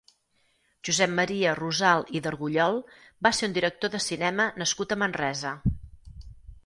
Josep Maria Rosal i d'Argullol va ser un director de cinema nascut a Manresa.